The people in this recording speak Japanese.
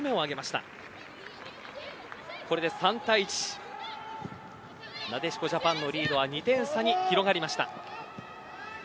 なでしこジャパンのリードは２点差に広がりました。